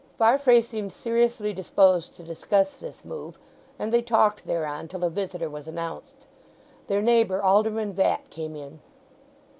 Farfrae seemed seriously disposed to discuss this move, and they talked thereon till a visitor was announced. Their neighbour Alderman Vatt came in.